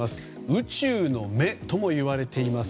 宇宙の目ともいわれています